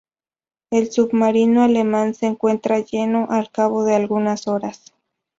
El submarino alemán se encuentra lleno al cabo de algunas horas.